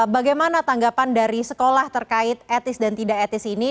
bagaimana tanggapan dari sekolah terkait etis dan tidak etis ini